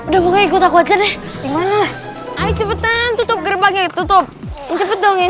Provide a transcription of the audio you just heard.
cepetan tutup gerbangnya tutup cepet dong yang cepetnya terus cepetan